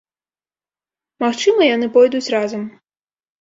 Магчыма, яны пойдуць разам.